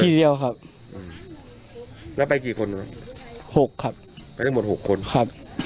เดียวครับอืมแล้วไปกี่คนหกครับไปทั้งหมดหกคนครับ